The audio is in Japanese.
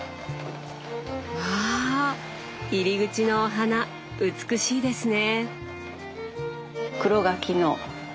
わ入り口のお花美しいですね。